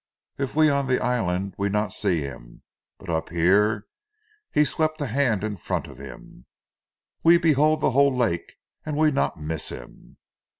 Eef we on zee island we not see heem, but up here " he swept a hand in front of him "we behold zee whole lak' and we not miss him."